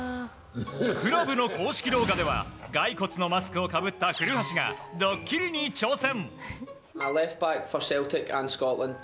クラブの公式動画では骸骨のマスクをかぶった古橋がドッキリに挑戦！